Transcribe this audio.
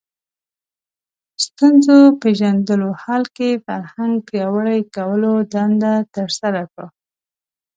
ستونزو پېژندلو حل کې فرهنګ پیاوړي کولو دنده ترسره کړو